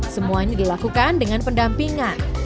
semuanya dilakukan dengan pendampingan